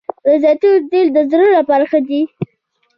د زیتون تېل د زړه لپاره ښه دي